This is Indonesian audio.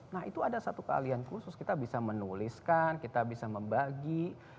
nah itu ada satu keahlian khusus kita bisa menuliskan kita bisa membagi